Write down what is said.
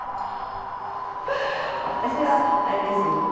私はあれですよ。